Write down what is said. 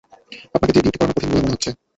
আপনাকে দিয়ে ডিউটি করানো কঠিন বলে মনে হচ্ছে।